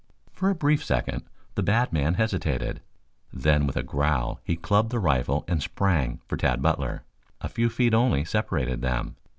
For a brief second the Bad Man hesitated, then with a growl he clubbed the rifle and sprang for Tad Butler. A few feet only separated them.